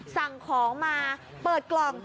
สั่งของมาเปิดกล่อง